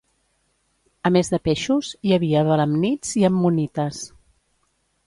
A més de peixos hi havia belemnits i ammonites.